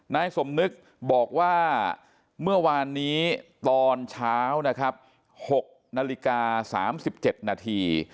นายสมนึกบอกว่าเมื่อวานนี้ตอนเช้านะครับ๖นาฬิกา๓๗นาที